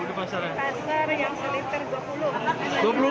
di pasar yang satu liter dua puluh